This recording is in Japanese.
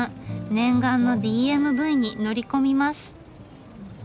念願のＤＭＶに乗り込みます。